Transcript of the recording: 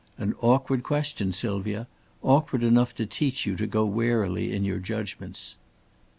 An awkward question, Sylvia awkward enough to teach you to go warily in your judgments."